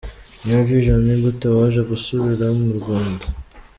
New Vision: Ni gute waje gusubira mu Rwanda?